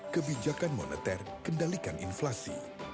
kebijakan moneter kendalikan inflasi